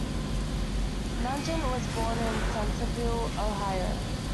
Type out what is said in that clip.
Nugent was born in Centerville, Ohio.